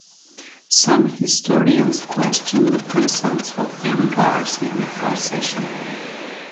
Some historians question the presence of any guards in the procession.